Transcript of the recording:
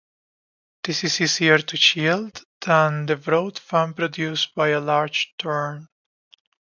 This is easier to shield than the broad fan produced by a large turn.